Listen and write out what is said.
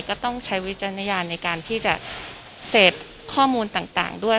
ก็ต้องใช้วิจารณญาณในการที่จะเสพข้อมูลต่างด้วย